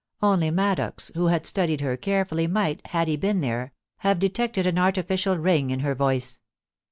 Only Maddox, who had studied her carefully, might, had he been there, have detected an artificial ring in her voice.